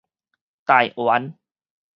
大員